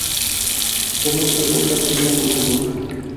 خو موږ تراوسه په دې نه پوهېدو